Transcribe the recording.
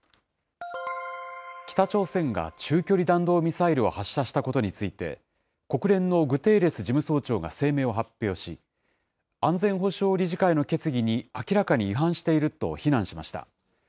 北朝鮮が中距離弾道ミサイルを発射したことについて、国連のグテーレス事務総長が声明を発表し、安全保障理事会の決議に明らかに違反していると非難しました。